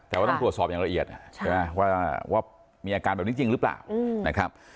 แต่ว่าต้องกดสอบอย่างละเอียดว่ามีอาการแบบนี้จริงหรือเปล่า